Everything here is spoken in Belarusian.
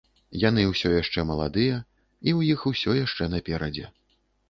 Яны ўсё яшчэ маладыя і ў іх усё яшчэ наперадзе.